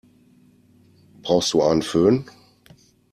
Brauchst du einen Fön?